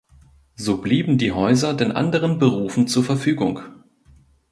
So blieben die Häuser den anderen Berufen zur Verfügung.